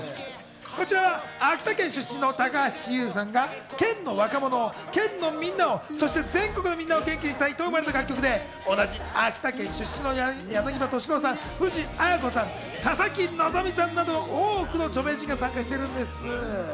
こちらは秋田県出身の高橋優さんが県の若者を、県のみんなを、そして全国のみんなを元気にしたいと生まれた楽曲で同じ秋田県出身の柳葉敏郎さん、藤あや子さん、佐々木希さんなど多くの著名人が参加しているんです。